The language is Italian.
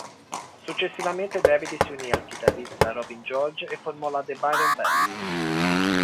Successivamente David si unì al chitarrista Robin George e formò la The Byron Band.